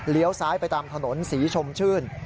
ซ้ายไปตามถนนศรีชมชื่น